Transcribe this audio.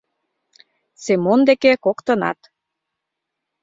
Семон деке коктынат